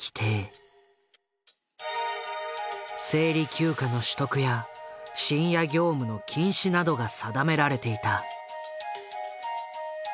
生理休暇の取得や深夜業務の禁止などが定められていた。